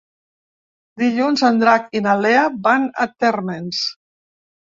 Dilluns en Drac i na Lea van a Térmens.